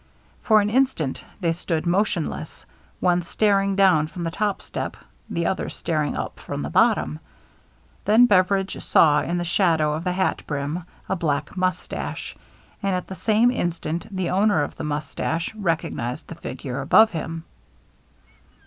For an instant they stood motionless, one staring down from the top step, the other staring up from the bottom. Then Beveridge saw, in the shadow of the hat brim, a black mus tache; and at the same instant the owner of the mustache recognized the figure above him.